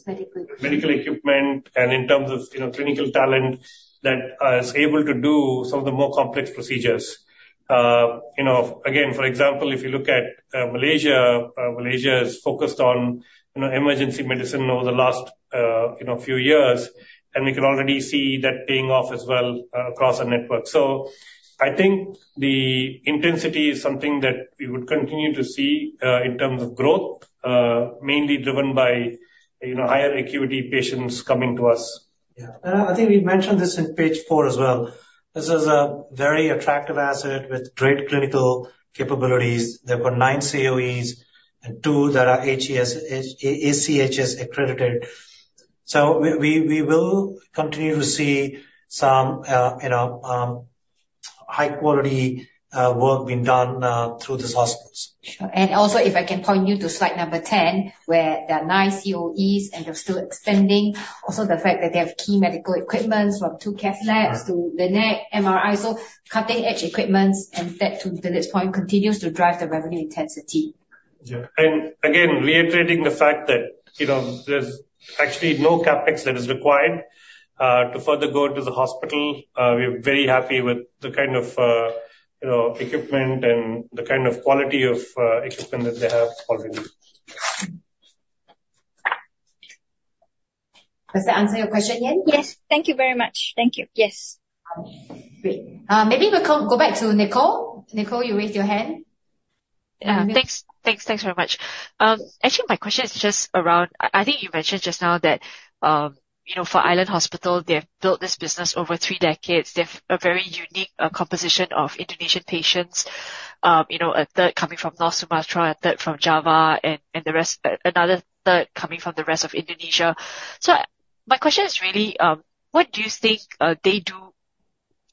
Medical. Medical equipment, and in terms of, you know, clinical talent that is able to do some of the more complex procedures. You know, again, for example, if you look at Malaysia, Malaysia is focused on, you know, emergency medicine over the last, you know, few years, and we can already see that paying off as well across our network. So I think the intensity is something that we would continue to see in terms of growth, mainly driven by, you know, higher acuity patients coming to us. Yeah. And I think we've mentioned this in page four as well. This is a very attractive asset with great clinical capabilities. There were nine COEs and two that are ACHS accredited. So we will continue to see some, you know, high quality work being done through these hospitals. Sure. And also, if I can point you to slide number ten, where there are nine COEs and they're still expanding. Also, the fact that they have key medical equipment, from two cath labs- Uh-huh. to the new MRI. So cutting-edge equipment, and that, to Dilip's point, continues to drive the revenue intensity. Yeah. And again, reiterating the fact that, you know, there's actually no CapEx that is required to further go into the hospital. We are very happy with the kind of, you know, equipment and the kind of quality of equipment that they have already. Does that answer your question, Yen? Yes. Thank you very much. Thank you. Yes. Great. Maybe we can go back to Nicole. Nicole, you raised your hand? Thanks very much. Actually, my question is just around. I think you mentioned just now that, you know, for Island Hospital, they have built this business over three decades. They have a very unique composition of Indonesian patients. You know, a third coming from North Sumatra, a third from Java, and the rest, another third coming from the rest of Indonesia. So my question is really, what do you think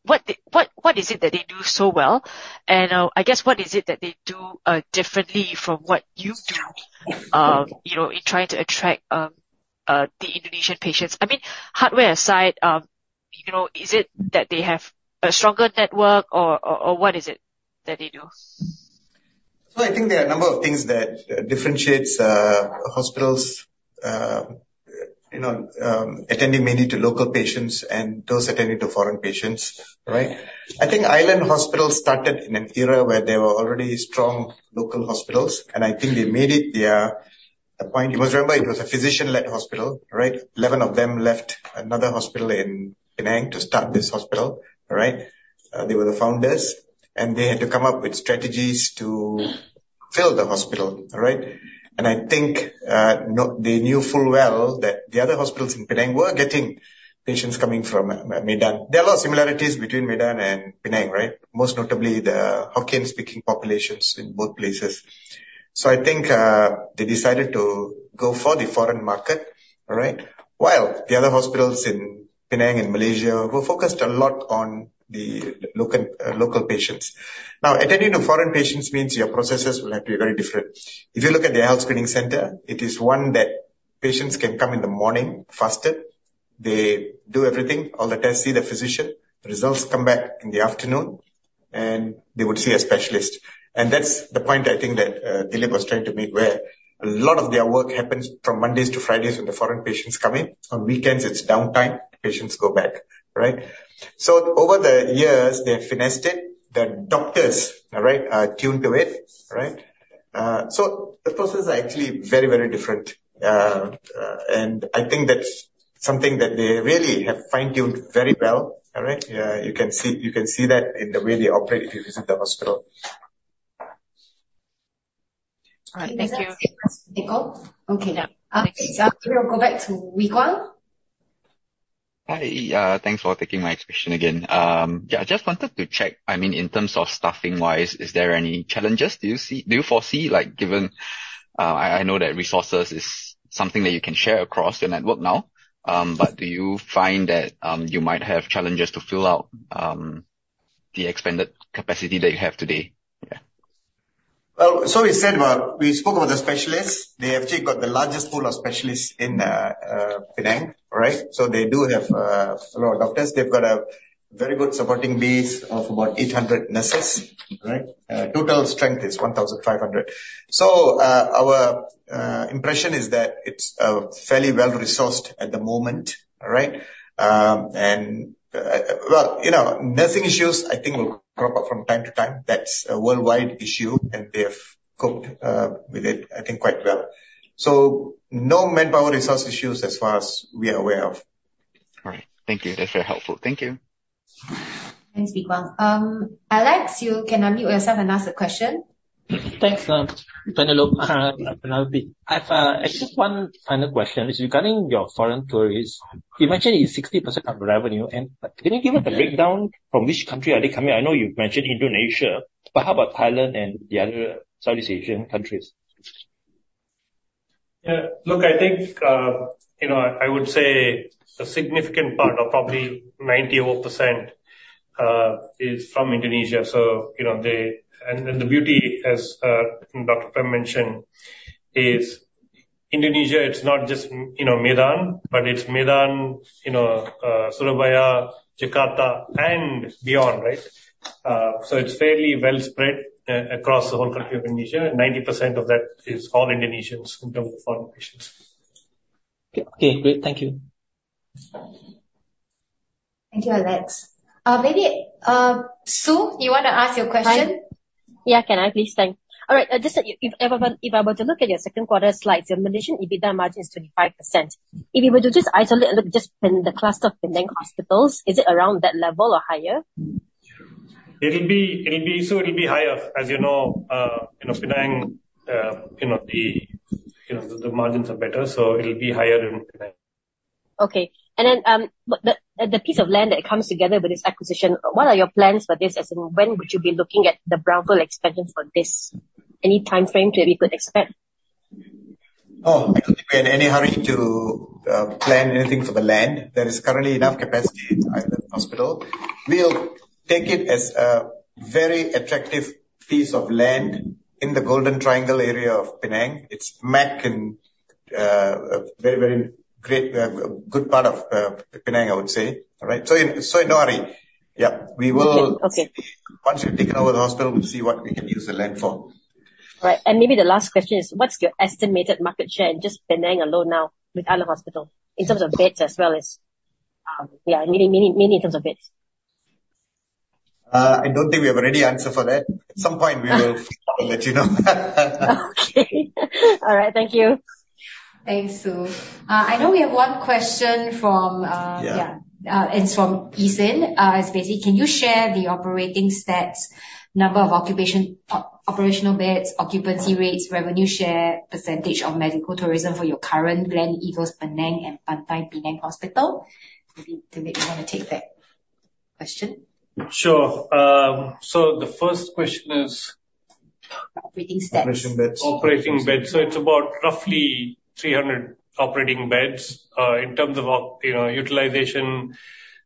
they do so well? And, I guess, what is it that they do differently from what you do, you know, in trying to attract the Indonesian patients? I mean, hardware aside, you know, is it that they have a stronger network or what is it that they do? So I think there are a number of things that differentiates hospitals, you know, attending mainly to local patients and those attending to foreign patients, right? I think Island Hospital started in an era where there were already strong local hospitals, and I think they made it their point. Because, remember, it was a physician-led hospital, right? Eleven of them left another hospital in Penang to start this hospital, right? They were the founders, and they had to come up with strategies to fill the hospital, right? And I think they knew full well that the other hospitals in Penang were getting patients coming from Medan. There are a lot of similarities between Medan and Penang, right? Most notably, the Hokkien-speaking populations in both places. So I think they decided to go for the foreign market, right? While the other hospitals in Penang and Malaysia were focused a lot on the local, local patients. Now, attending to foreign patients means your processes will have to be very different. If you look at the health screening center, it is one that patients can come in the morning, fasted. They do everything, all the tests, see the physician. The results come back in the afternoon, and they would see a specialist, and that's the point I think that, Dilip was trying to make, where a lot of their work happens from Mondays to Fridays, when the foreign patients come in. On weekends, it's downtime, patients go back, right, so over the years, they've finessed it. The doctors, right, are tuned to it, right, so the processes are actually very, very different. And I think that's something that they really have fine-tuned very well, all right? You can see that in the way they operate if you visit the hospital. All right. Thank you. Nicole? Okay, now, Thanks. We will go back to Wee Kuang.... Hi, thanks for taking my question again. Yeah, I just wanted to check, I mean, in terms of staffing-wise, is there any challenges? Do you see, do you foresee, like, given... I know that resources is something that you can share across your network now, but do you find that you might have challenges to fill out the expanded capacity that you have today? Yeah. So we said, well, we spoke about the specialists. They actually got the largest pool of specialists in Penang, right? So they do have a lot of doctors. They've got a very good supporting base of about 800 nurses, right? Total strength is 1,500. So our impression is that it's fairly well-resourced at the moment, all right? Well, you know, nursing issues, I think, will crop up from time to time. That's a worldwide issue, and they've coped with it, I think, quite well. So no manpower resource issues as far as we are aware of. All right. Thank you. That's very helpful. Thank you. Thanks, Wee Kuang. Alex, you can unmute yourself and ask the question. Thanks, Penelope. Penelope, I've just one final question. It's regarding your foreign tourists. You mentioned it's 60% of the revenue, and can you give us a breakdown from which country are they coming? I know you've mentioned Indonesia, but how about Thailand and the other Southeast Asian countries? Yeah. Look, I think, you know, I would say a significant part, or probably ninety over percent, is from Indonesia. So, you know, they and the beauty, as Dr. Prem mentioned, is Indonesia. It's not just, you know, Medan, but it's Medan, you know, Surabaya, Jakarta and beyond, right? So it's fairly well-spread across the whole country of Indonesia, and 90% of that is all Indonesians in terms of foreign patients. Okay, great. Thank you. Thank you, Alex. Maybe, Sue, you wanna ask your question? Yeah, can I please? Thanks. All right, just that if everyone, if I were to look at your second quarter slides, your Malaysian EBITDA margin is 25%. If you were to just isolate and look just in the cluster of Penang hospitals, is it around that level or higher? It'll be, it'll be. So it'll be higher. As you know, you know, Penang, you know, the margins are better, so it'll be higher in Penang. Okay. And then, but the piece of land that comes together with this acquisition, what are your plans for this? As in, when would you be looking at the brownfield expansion for this? Any timeframe that we could expect? Oh, I don't think we're in any hurry to plan anything for the land. There is currently enough capacity in Island Hospital. We'll take it as a very attractive piece of land in the Golden Triangle area of Penang. It's smack in a very, very great good part of Penang, I would say. All right? So no worry. Yeah, we will- Okay. Once we've taken over the hospital, we'll see what we can use the land for. Right. And maybe the last question is, what's your estimated market share in just Penang alone now, with Island Hospital, in terms of beds as well as, yeah, mainly in terms of beds? I don't think we have a ready answer for that. At some point, we will let you know. Okay. All right. Thank you. Thanks, Sue. I know we have one question from, Yeah. Yeah, it's from Esin. It's basically, can you share the operating stats, number of occupancy, operational beds, occupancy rates, revenue share, percentage of medical tourism for your current Gleneagles Penang and Pantai Hospital Penang? Maybe, Dilip, you wanna take that question? Sure. So the first question is? Operating stats. Operating beds. Operating beds. So it's about roughly 300 operating beds. In terms of, you know, utilization,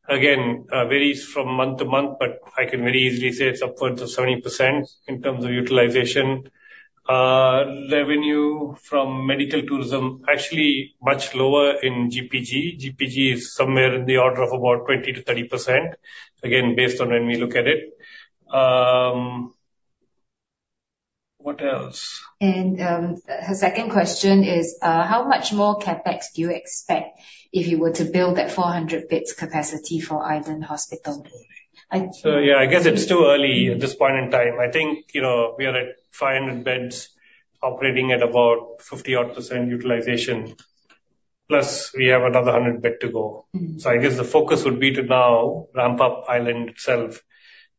again, varies from month to month, but I can very easily say it's upwards of 70% in terms of utilization. Revenue from medical tourism, actually much lower in GPG. GPG is somewhere in the order of about 20%-30%, again, based on when we look at it. What else? Her second question is, how much more CapEx do you expect if you were to build that 400 beds capacity for Island Hospital? Yeah, I guess it's too early at this point in time. I think, you know, we are at 500 beds, operating at about 50 odd% utilization, plus we have another 100-bed to go. Mm-hmm. I guess the focus would be to now ramp up Island itself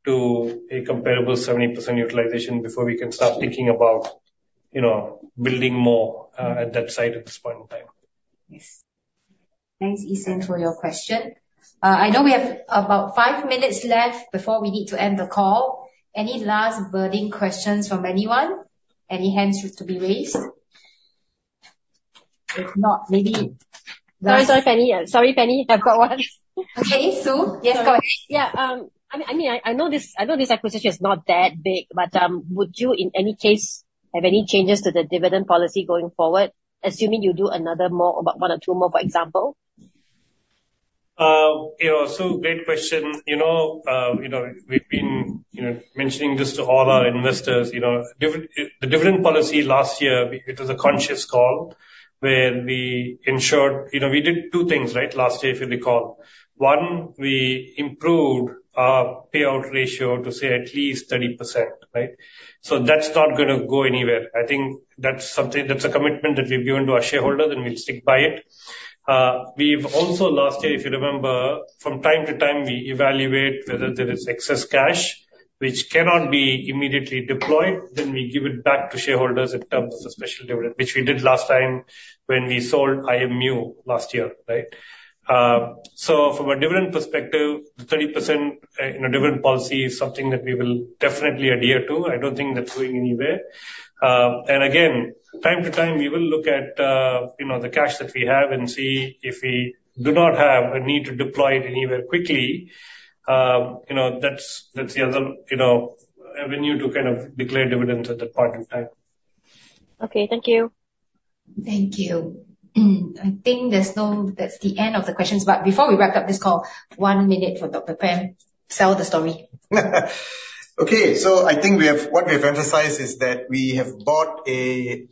to a comparable 70% utilization before we can start thinking about, you know, building more at that site at this point in time. Yes. Thanks, Esin, for your question. I know we have about five minutes left before we need to end the call. Any last burning questions from anyone? Any hands which to be raised? If not, maybe- Sorry, sorry, Penny. Sorry, Penny, I've got one. Okay, sue. Yes, go ahead. Yeah, I mean, I know this, I know this acquisition is not that big, but would you, in any case, have any changes to the dividend policy going forward, assuming you do another more, about one or two more, for example? You know, sue, great question. You know, you know, we've been, you know, mentioning this to all our investors, you know, the dividend policy last year, it was a conscious call where we ensured. You know, we did two things, right, last year, if you recall. One, we improved our payout ratio to say at least 30%, right? So that's not gonna go anywhere. I think that's something, that's a commitment that we've given to our shareholders, and we'll stick by it. We've also, last year, if you remember, from time to time, we evaluate whether there is excess cash, which cannot be immediately deployed, then we give it back to shareholders in terms of special dividend, which we did last time when we sold IMU last year, right? So from a dividend perspective, the 30%, you know, dividend policy is something that we will definitely adhere to. I don't think that's going anywhere. And again, time to time, we will look at, you know, the cash that we have and see if we do not have a need to deploy it anywhere quickly. You know, that's, that's the other, you know, avenue to kind of declare dividends at that point in time. Okay. Thank you. Thank you. I think that's the end of the questions, but before we wrap up this call, one minute for Dr. Prem. Sell the story. Okay. So I think we have what we've emphasized is that we have bought a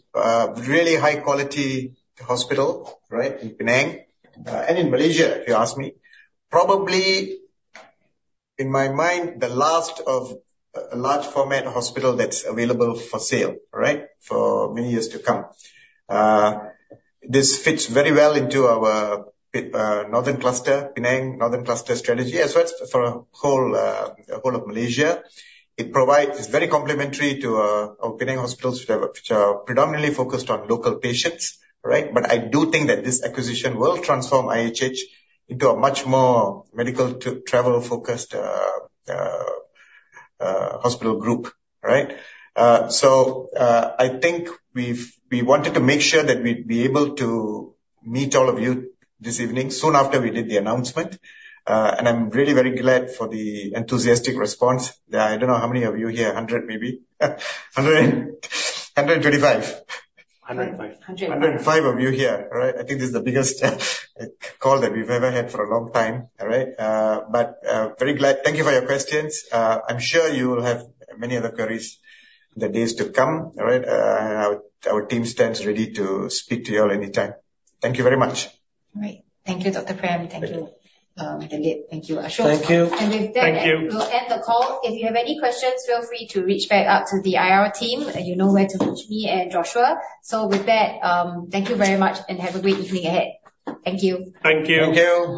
really high quality hospital, right, in Penang and in Malaysia, if you ask me. Probably, in my mind, the last of a large format hospital that's available for sale, right, for many years to come. This fits very well into our northern cluster, Penang northern cluster strategy, as well as for a whole of Malaysia. It provides. It's very complementary to our Penang hospitals, which are predominantly focused on local patients, right? But I do think that this acquisition will transform IHH into a much more medical travel-focused hospital group, right? So, I think we wanted to make sure that we'd be able to meet all of you this evening, soon after we did the announcement. I'm really very glad for the enthusiastic response. Yeah, I don't know how many of you here, a 100, maybe. A 125. 105. 105. 105 of you here, right? I think this is the biggest call that we've ever had for a long time, all right? But very glad. Thank you for your questions. I'm sure you will have many other queries in the days to come, all right? Our team stands ready to speak to you all anytime. Thank you very much. All right. Thank you, Dr. Prem. Thank you. Thank you, Dilip. Thank you, Ashok. Thank you. Thank you. With that, we'll end the call. If you have any questions, feel free to reach back out to the IR team, and you know where to reach me and Joshua. With that, thank you very much and have a great evening ahead. Thank you. Thank you. Thank you.